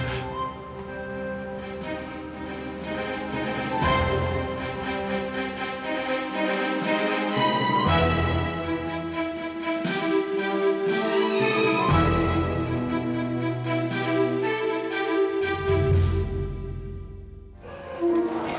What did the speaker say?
terima kasih ya sak